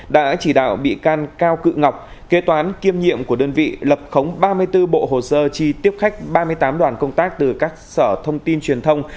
đã chỉ đạo bị can cao cự ngọc kế toán kiêm nhiệm của đơn vị lập khống ba mươi bốn bộ hồ sơ chi tiếp khách ba mươi tám đoàn công tác từ các sở thông tin truyền thông